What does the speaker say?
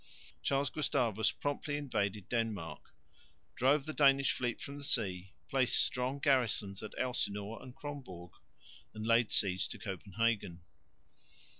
Charles Gustavus promptly invaded Denmark, drove the Danish fleet from the sea, placed strong garrisons at Elsinore and Kronborg, and laid siege to Copenhagen.